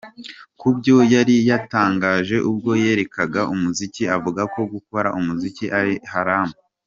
Ku byo yari yatangaje ubwo yarekaga umuziki avuga ko gukora umuziki ari ‘haramu’.